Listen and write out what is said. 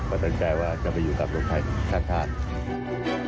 ก็สนใจว่าจะไปอยู่กับลงไทยสร้างชาติ